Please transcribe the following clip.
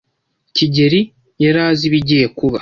kigeli yari azi ibigiye kuba.